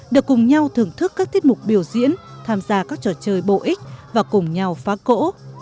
được cùng nhau thưởng thức các tiết mục biểu diễn tham gia các trò chơi bổ ích và cùng nhau phá cỗ